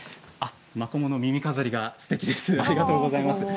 マコモの耳飾りがすてきですね。